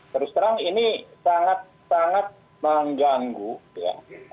terus terang ini sangat sangat mengganggu ya